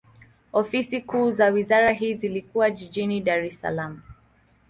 Ofisi kuu za wizara hii zilikuwa jijini Dar es Salaam.